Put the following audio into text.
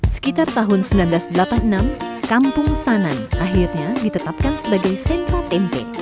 sekitar tahun seribu sembilan ratus delapan puluh enam kampung sanan akhirnya ditetapkan sebagai sentra tempe